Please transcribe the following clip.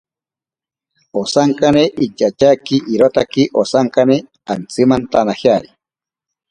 Osankane inchatyaaki irotaki osankane antsimantanajeari.